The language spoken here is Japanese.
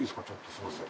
すいません。